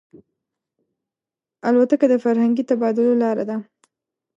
الوتکه د فرهنګي تبادلو لاره ده.